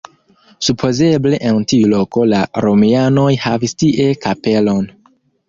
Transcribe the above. Supozeble en tiu loko la romianoj havis tie kapelon.